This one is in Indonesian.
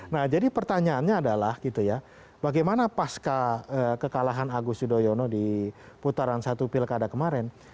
nah jadi pertanyaannya adalah gitu ya bagaimana pas kekalahan agus yudhoyono di putaran satu pilkada kemarin